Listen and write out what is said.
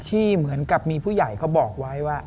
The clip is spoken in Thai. ที่เหมือนกับมีผู้ใหญ่เขาบอกไว้ว่า